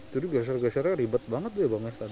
jadi geser gesernya ribet banget ya bang estad